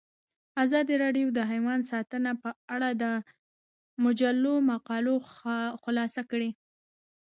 ازادي راډیو د حیوان ساتنه په اړه د مجلو مقالو خلاصه کړې.